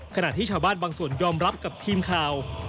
ขณะที่ชาวบ้านบางส่วนยอมรับกับทีมข่าว